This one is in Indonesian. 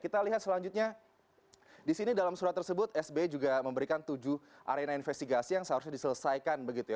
namun di dalam kabin ini terdapat beberapa kasus yang menyebut sba juga memberikan tujuh arena investigasi yang seharusnya diselesaikan begitu ya